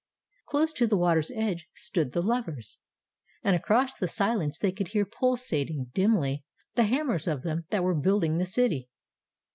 Close to the water's edge stood the lovers, and across the silence they could hear, pulsating dimly, the hammers of them that were building the city.